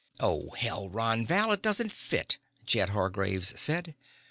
"Oh, hell, Ron Val, it doesn't fit," Jed Hargraves said.